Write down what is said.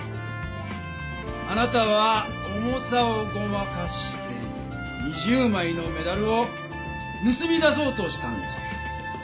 あなたは重さをごまかして２０枚のメダルをぬすみ出そうとしたんです。